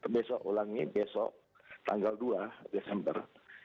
besok ulangnya besok tanggal dua desember